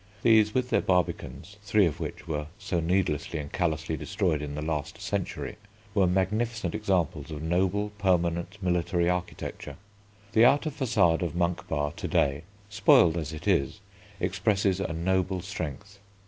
These, with their Barbicans, three of which were so needlessly and callously destroyed in the last century, were magnificent examples of noble permanent military architecture. The outer façade of Monk Bar to day, spoiled as it is, expresses a noble strength.